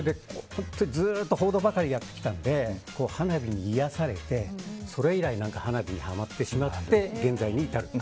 報道ばかりやってきたので花火に癒やされて、それ以来花火にハマってしまって現在に至ると。